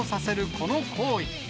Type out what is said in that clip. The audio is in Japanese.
この行為。